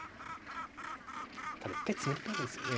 ただ一回詰めろなんですよね